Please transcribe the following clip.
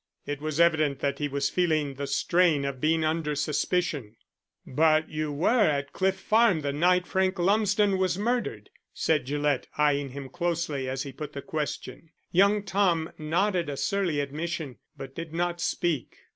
It was evident that he was feeling the strain of being under suspicion. "But you were at Cliff Farm the night Frank Lumsden was murdered," said Gillett, eyeing him closely as he put the question. Young Tom nodded a surly admission, but did not speak.